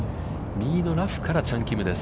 右のラフからチャン・キムです。